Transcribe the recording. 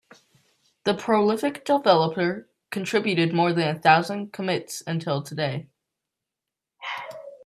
The prolific developer contributed more than a thousand commits until today.